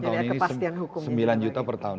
tahun ini sembilan juta per tahun